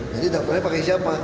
jadi daftarnya pakai siapa